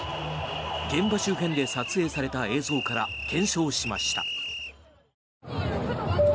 現場周辺で撮影された映像から検証しました。